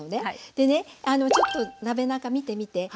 でねちょっと鍋なか見て見て。